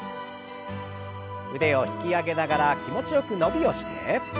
腕を引き上げながら気持ちよく伸びをして。